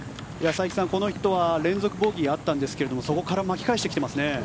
佐伯さん、この人は連続ボギーがあったんですがそこから巻き返してきていますね。